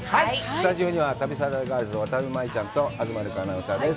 スタジオには旅サラダガールズの渡辺舞ちゃんと東留伽アナウンサーです。